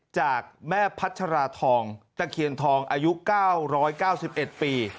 จากแม่พัชราทองตะเคียนทองอายุ๙๙๑ปี